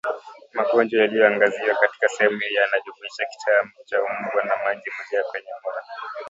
Magonjwa yaliyoangaziwa katika sehemu hii yanajumuisha kichaacha mbwa na maji kujaa kwenye moyo